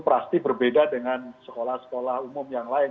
pasti berbeda dengan sekolah sekolah umum yang lain